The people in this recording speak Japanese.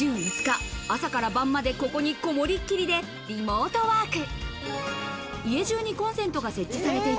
週５日、朝から晩まで、ここに、こもりっきりでリモートワーク。